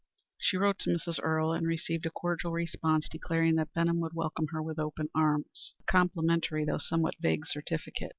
She wrote to Mrs. Earle and received a cordial response declaring that Benham would welcome her with open arms, a complimentary though somewhat vague certificate.